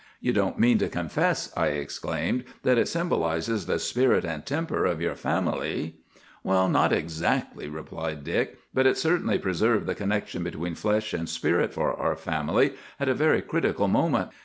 "'You don't mean to confess,' I exclaimed, 'that it symbolizes the spirit and temper of your family?' "'Not exactly,' replied Dick. 'But it certainly preserved the connection between flesh and spirit for our family at a very critical moment.